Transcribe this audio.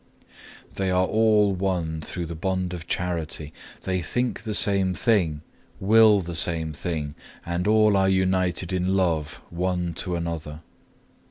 They are all one through the bond of charity; they think the same thing, will the same thing, and all are united in love one to another.